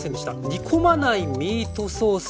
煮込まないミートソース